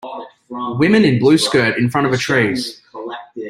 Women in blue skirt infront of a trees